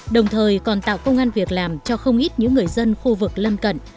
đồng thời còn tạo công an việc làm cho không ít những người dân khu vực lân cận